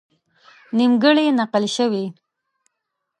نیمګړې نقل شوې.